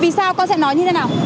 vì sao con sẽ nói như thế nào